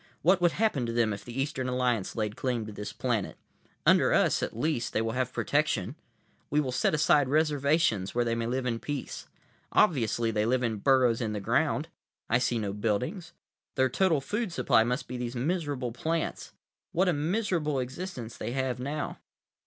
What would happen to them if the Eastern Alliance laid claim to this planet? Under us, at least, they will have protection. We will set aside reservations where they may live in peace. Obviously they live in burrows in the ground; I see no buildings. Their total food supply must be these miserable plants. What a miserable existence they have now!